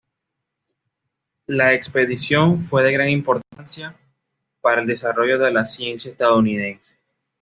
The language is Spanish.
La expedición fue de gran importancia para el desarrollo de la ciencia estadounidense.